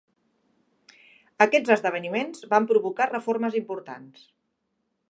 Aquests esdeveniments van provocar reformes importants.